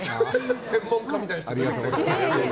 専門家みたいな。